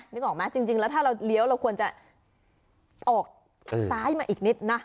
นึกออกไหมจริงแล้วถ้าเราเลี้ยวเราควรจะออกซ้ายมาอีกนิดนะ